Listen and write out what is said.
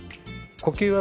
呼吸はね。